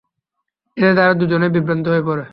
এতে তারা দুজনেই বিভ্রান্ত হয়ে পড়ে।